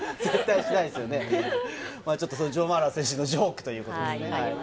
ジョー・マーラー選手のジョークということですね。